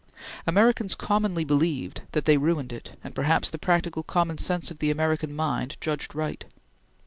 Americans commonly believed that they ruined it, and perhaps the practical common sense of the American mind judged right.